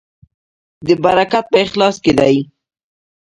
برکت په اخلاص کې دی